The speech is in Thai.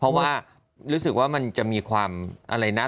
เพราะว่ารู้สึกว่ามันจะมีความอะไรนะ